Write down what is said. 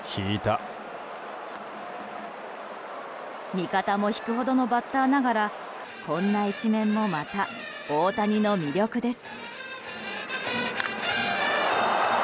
味方も引くほどのバッターながらこんな一面もまた、大谷の魅力です。